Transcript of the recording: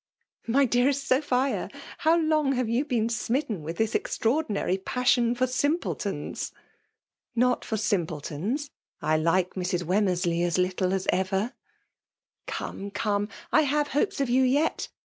''' My dearest Sophia! — how long have ^ou 1)ecn smitten with this extrac^dinary passion for simpletons?" • *"'Nol for simpletons. I like Mrs, Worn mersley as little as ever.'* "Come — come — I have hopes of you yet.